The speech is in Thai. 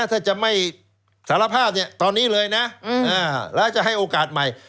ถ้าจะไม่สารภาพเนี่ยตอนนี้เลยนะแล้วจะให้โอกาสใหม่